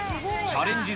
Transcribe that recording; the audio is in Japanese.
チャレンジ